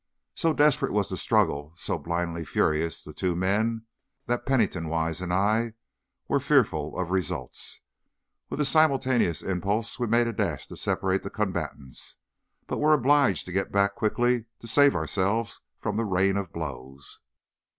So desperate was the struggle, so blindly furious the two men, that Pennington Wise and I were fearful of results. With a simultaneous impulse we made a dash to separate the combatants, but were obliged to get back quickly to save ourselves from the rain of blows.